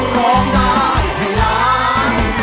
ร้องได้ให้ล้าน